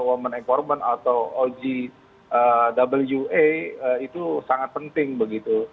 seperti reformen atau ogwa itu sangat penting begitu